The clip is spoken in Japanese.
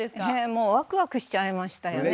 もうワクワクしちゃいましたよね。